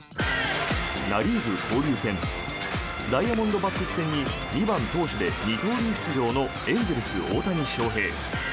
ナ・リーグ交流戦ダイヤモンドバックス戦に２番投手で二刀流出場のエンゼルス、大谷翔平。